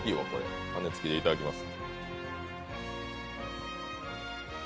羽根つきでいただきます。